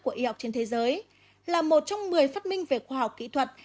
của y học trên thế giới là một trong một mươi phát minh về khoa học kỹ thuật